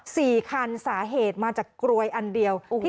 สี่คันสาเหตุมาจากกรวยอันเดียว